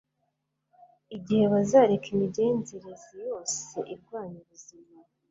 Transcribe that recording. igihe bazareka imigenzereze yose irwanya ubuzima